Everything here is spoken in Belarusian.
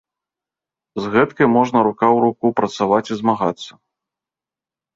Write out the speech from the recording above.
З гэткай можна рука ў руку працаваць і змагацца.